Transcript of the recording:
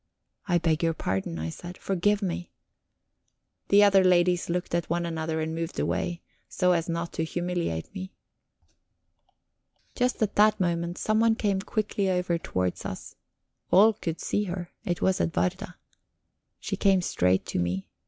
"I beg your pardon," I said; "forgive me." The other ladies looked at one another and moved away, so as not to humiliate me. Just at that moment someone came quickly over towards us. All could see her it was Edwarda. She came straight to me.